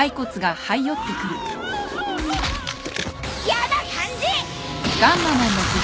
やな感じ！